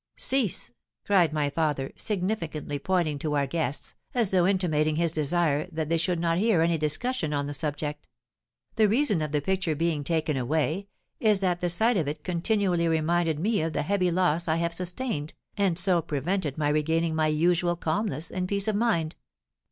'Cease!' cried my father, significantly pointing to our guests, as though intimating his desire that they should not hear any discussion on the subject; 'the reason of the picture being taken away is that the sight of it continually reminded me of the heavy loss I have sustained, and so prevented my regaining my usual calmness and peace of mind.'